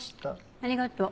ありがとう。